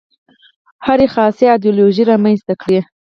هرې خاصه ایدیالوژي رامنځته کړې.